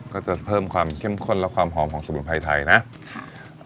ก็จะเพิ่มความเข้มข้นและความหอมของสมุนไพรไทยนะค่ะ